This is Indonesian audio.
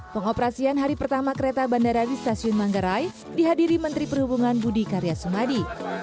pengoperasian hari pertama kereta bandara di stasiun manggarai dihadiri menteri perhubungan budi karya sumadi